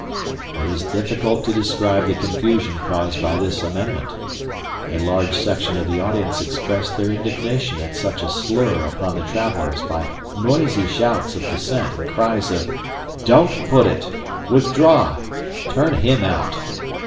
"It is difficult to describe the confusion caused by this amendment. A large section of the audience expressed their indignation at such a slur upon the travelers by noisy shouts of dissent and cries of, 'Don't put it!' 'Withdraw!' 'Turn him out!'